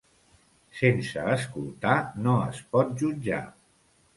Sense escoltar no es pot jutjar.